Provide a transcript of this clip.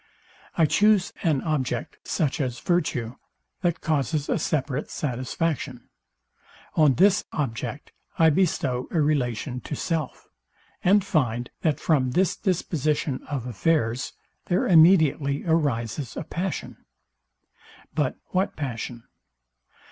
I choose an object, such as virtue, that causes a separate satisfaction: On this object I bestow a relation to self; and find, that from this disposition of affairs, there immediately arises a passion. But what passion?